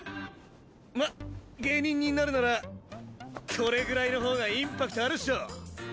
まっ芸人になるならこれぐらいの方がインパクトあるっしょ。